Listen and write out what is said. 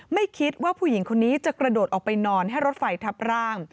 ไม่คิดว่าผู้หญิงคนนี้จะกระโดดออกไปนอนให้รถไฟทับร่าง